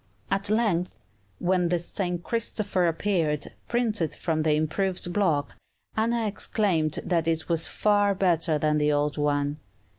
At length, when the "St. Christopher" appeared, printed from the improved block, Anna exclaimed that it was far better than the old one.